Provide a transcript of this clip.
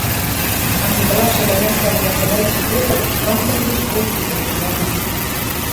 анзыкылашы ӹлӹмӓшлӓн йӓмдӹлӓлтшӹ Петр кым тӹлзеш госпитальыш вазын.